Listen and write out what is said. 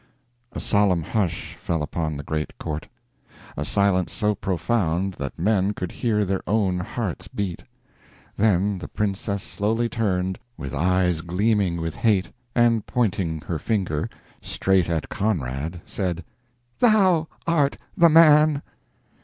A solemn hush fell upon the great court a silence so profound that men could hear their own hearts beat. Then the princess slowly turned, with eyes gleaming with hate, and pointing her finger straight at Conrad, said: "Thou art the man!"